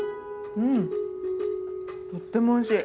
うんとってもおいしい。